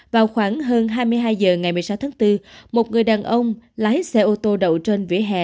vào khoảng hơn hai mươi hai h ngày một mươi sáu tháng bốn một người đàn ông lái xe ô tô đậu trên vỉa hè